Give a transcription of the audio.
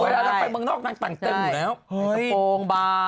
เวลาเราไปเมืองนอกนั่งตังเต็มอยู่แล้ว